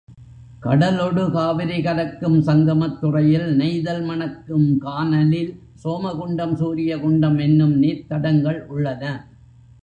கடலொடு காவிரி கலக்கும் சங்கமத்துறையில் நெய்தல் மணக்கும் கானலில் சோமகுண்டம் சூரிய குண்டம் என்னும் நீர்த்தடங்கள் உள்ளன.